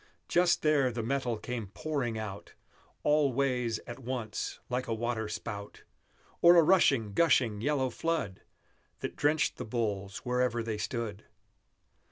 Just there the metal came pouring out, All ways at once, like a water spout, Or a rushing, gushing, yellow flood, That drenched the bulls wherever they stood!